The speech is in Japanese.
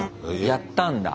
やったんだ。